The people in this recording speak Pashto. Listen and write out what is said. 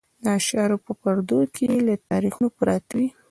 د اشعارو په پردو کې یې تاریخونه پراته وي.